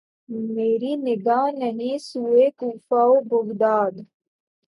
مری نگاہ نہیں سوئے کوفہ و بغداد